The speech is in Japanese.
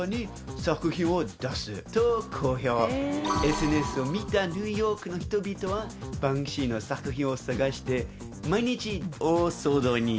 ＳＮＳを見たニューヨークの人々はバンクシーの作品を探して毎日大騒動に。